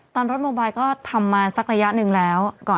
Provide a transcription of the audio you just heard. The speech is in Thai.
ตอนรถโมบายก็ทำมาสักระยะหนึ่งแล้ว